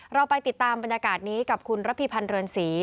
เราไปติดตามบรรยากาศนี้กับคุณระพีพันธ์เรือนศรี